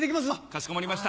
かしこまりました。